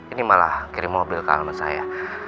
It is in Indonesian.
ini malah kirim mobil ke alamat saya